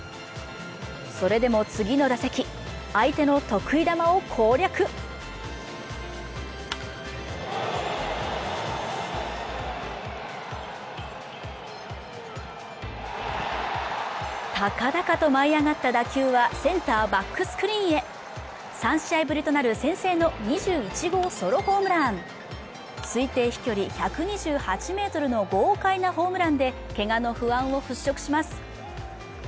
それでも次の打席相手の得意球を攻略高々と舞い上がった打球はセンターバックスクリーンへ３試合ぶりとなる先制の２１号ソロホームラン推定飛距離１２８ｍの豪快なホームランでケガの不安を払拭します